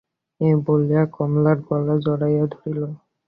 এই বলিয়া কমলার গলা জড়াইয়া ধরিল।